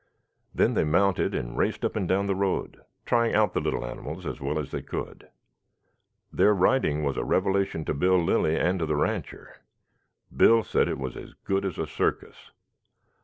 Then they mounted and raced up and down the road, trying out the little animals as well as they could. Their riding was a revelation to Bill Lilly and to the rancher. Bill said it was as good as a circus.